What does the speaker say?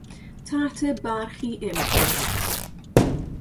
تحت برخی امکانات